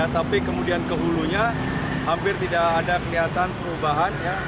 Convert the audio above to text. tapi kemudian ke hulunya hampir tidak ada kelihatan perubahan ya